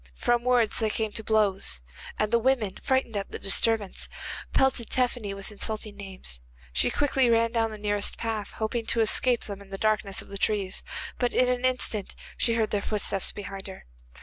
From words they came to blows, and the women, frightened at the disturbance, pelted Tephany with insulting names. She quickly ran down the nearest path, hoping to escape them in the darkness of the trees, but in an instant she heard their footsteps behind her.